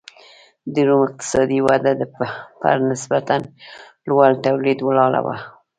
د روم اقتصادي وده پر نسبتا لوړ تولید ولاړه وه.